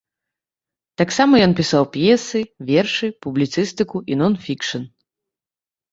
Таксама ён пісаў п'есы, вершы, публіцыстыку і нон-фікшн.